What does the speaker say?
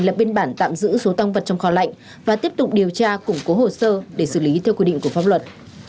lập biên bản tạm giữ số tăng vật trong kho lạnh và tiếp tục điều tra củng cố hồ sơ để xử lý theo quy định của pháp luật